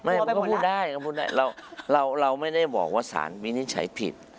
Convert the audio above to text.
ไม่พูดได้เราไม่ได้บอกว่าสารมีนิจฉัยผิด